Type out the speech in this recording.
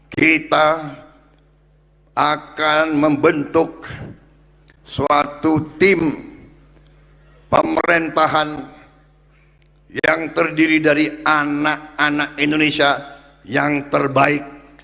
kita akan membentuk suatu tim pemerintahan yang terdiri dari anak anak indonesia yang terbaik